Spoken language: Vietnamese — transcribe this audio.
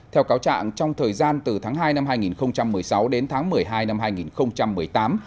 theo cáo trạng trong thời gian từ tháng hai năm hai nghìn một mươi sáu đến tháng một mươi hai năm hai nghìn một mươi tám